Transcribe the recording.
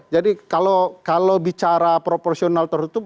jadi kalau bicara proporsional tertutup